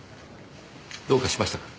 どうかしましたか？